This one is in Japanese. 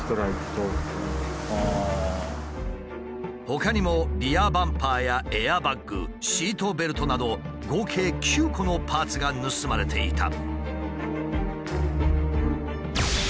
ほかにもリアバンパーやエアバッグシートベルトなど合計９個のパーツが盗まれていた。